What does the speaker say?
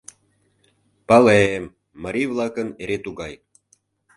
— Пале-ем, марий-влакын эре тугай.